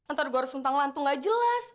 ntar gue harus untang lantung gak jelas